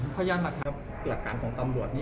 พยายามหลักษณะของตำรวจนี่